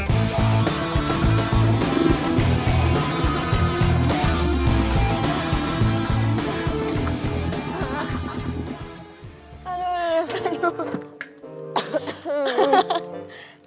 aduh aduh aduh